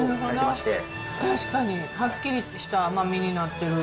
確かに、はっきりした甘みになってる。